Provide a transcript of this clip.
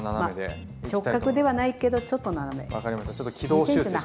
直角ではないけどちょっと斜めで。